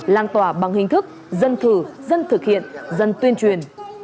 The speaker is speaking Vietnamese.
lan tỏa bằng hình thức dân thử dân thực hiện dân tuyên truyền